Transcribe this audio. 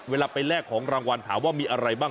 เวลาไปแลกของรางวัลถามว่ามีอะไรบ้าง